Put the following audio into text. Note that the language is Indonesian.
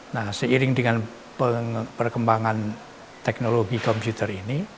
nah seiring dengan perkembangan teknologi komputer ini